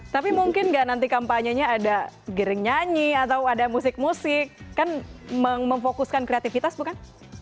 tapi mungkin nggak nanti kampanyenya ada giring nyanyi atau ada musik musik kan memfokuskan kreativitas bukan